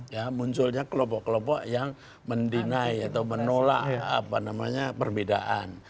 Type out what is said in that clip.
ya munculnya kelopok kelopok yang men deny atau menolak apa namanya perbedaan